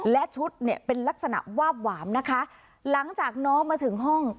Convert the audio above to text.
และชุดเนี่ยเป็นลักษณะวาบหวามนะคะหลังจากน้องมาถึงห้อง